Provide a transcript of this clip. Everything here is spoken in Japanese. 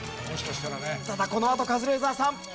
ただこのあとカズレーザーさん。